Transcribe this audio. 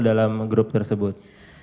dalam grup tersebut